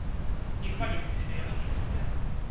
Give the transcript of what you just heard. Не хвалюйцеся, яны чыстыя!